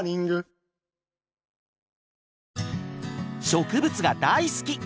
植物が大好き！